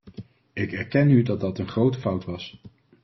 Ik erken nu dat dat een grote fout was.